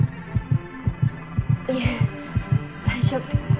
いえ大丈夫で。